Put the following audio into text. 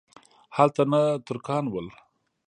هلته نه ترکان ول.